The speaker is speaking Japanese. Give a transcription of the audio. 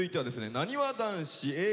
なにわ男子Ａぇ！